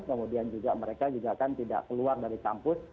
kemudian juga mereka juga kan tidak keluar dari kampus